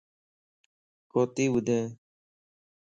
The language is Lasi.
ڪوتي ٻڌين؟